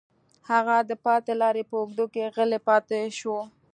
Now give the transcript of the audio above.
هغه د پاتې لارې په اوږدو کې غلی پاتې شو